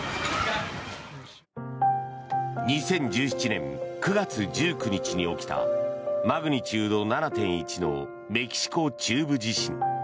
２０１７年９月１９日に起きたマグニチュード７．１のメキシコ中部地震。